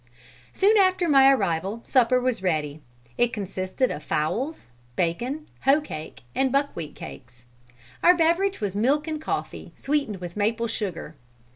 "Soon after my arrival supper was ready. It consisted of fowls, bacon, hoe cake and buckwheat cakes. Our beverage was milk and coffee, sweetened with maple sugar.